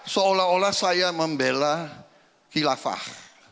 seolah olah saya membela khilafah